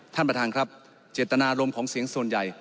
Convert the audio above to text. ท่านประธานครับเจตนารมณ์ของเสียงส่วนใหญ่